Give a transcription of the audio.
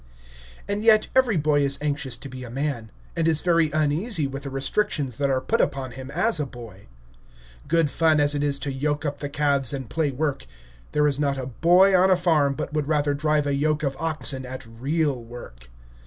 And yet every boy is anxious to be a man, and is very uneasy with the restrictions that are put upon him as a boy. Good fun as it is to yoke up the calves and play work, there is not a boy on a farm but would rather drive a yoke of oxen at real work.